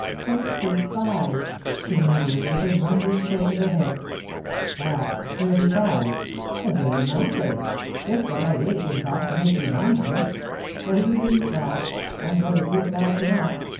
'Thirty five!' she murmured, with a wondering shake of her head. 'Ah—thirty five. A very nice age. Just the right age, in fact, to make you mind me. Oh, you needn't laugh; I'm going to do it fast enough.